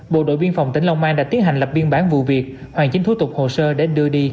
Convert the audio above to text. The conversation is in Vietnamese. bộ đội biên phòng tỉnh long an đã tiến hành lập biên bản vụ việc hoàn chính thu tục hồ sơ để đưa đi cách ly tập trung